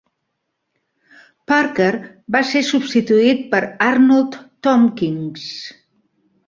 Parker va ser substituït per Arnold Tompkins.